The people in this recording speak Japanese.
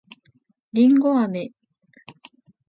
りんごあめ